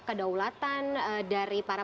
kedaulatan dari para